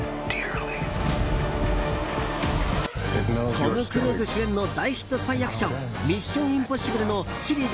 トム・クルーズ主演の大ヒットスパイアクション「ミッション：インポッシブル」のシリーズ